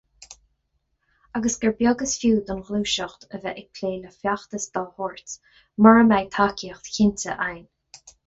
Agus gur beag is fiú don Ghluaiseacht a bheith ag plé le feachtas dá shórt mura mbeidh tacaíocht chinnte againn.